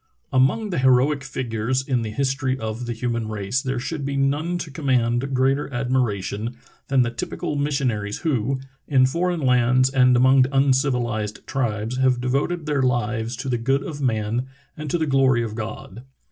A MONG the heroic figures in the history of the y\ human race there should be none to connmand greater admiration than the typical missiona ries who, in foreign lands and among uncivilized tribes, have devoted their lives to the good of man and to the glory of God.